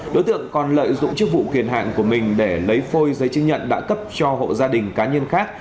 đối tượng còn lợi dụng chức vụ quyền hạn của mình để lấy phôi giấy chứng nhận đã cấp cho hộ gia đình cá nhân khác